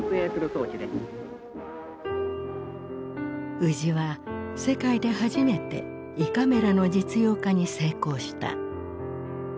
宇治は世界で初めて胃カメラの実用化に成功した。